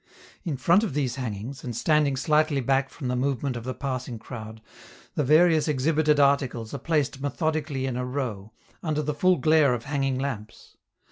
In front of these hangings, and standing slightly back from the movement of the passing crowd, the various exhibited articles are placed methodically in a row, under the full glare of hanging lamps.